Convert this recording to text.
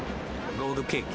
ロールケーキ。